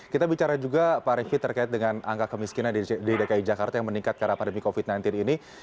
kita bicara juga pak refki terkait dengan angka kemiskinan di dki jakarta yang meningkat karena pandemi covid sembilan belas ini